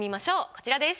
こちらです。